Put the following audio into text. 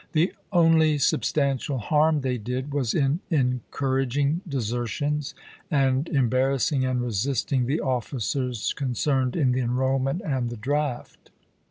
The only substantial harm they did was in encouraging desertions and embarrassing and resisting the officers concerned in the enrollment and the draft.